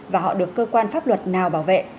và họ được cơ quan pháp luật nào bảo vệ